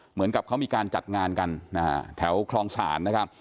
เหมือนกับเขามีการจัดงานกันแถวคลองศาลนะครับ